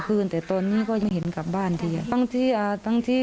คืนแต่ตอนนี้ก็ยังเห็นกลับบ้านทีอ่ะบางที